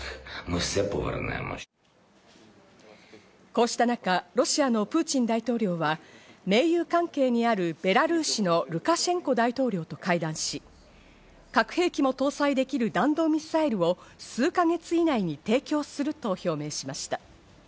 こうした中、ロシアのプーチン大統領は盟友関係にあるベラルーシのルカシェンコ大統領と会談し、核兵器も搭載できる弾道ミサイルを数ヶ月以内に提供すると表明しました。